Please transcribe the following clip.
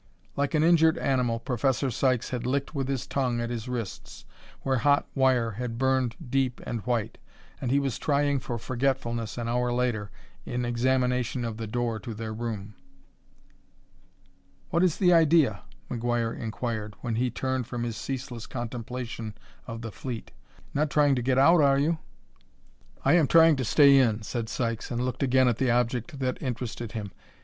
Like an injured animal, Professor Sykes had licked with his tongue at his wrists, where hot wire had burned deep and white, and he was trying for forgetfulness an hour later, in examination of the door to their room. "What is the idea?" McGuire inquired, when he turned from his ceaseless contemplation of the fleet. "Not trying to get out, are you?" "I am trying to stay in," said Sykes, and looked again at the object that interested him.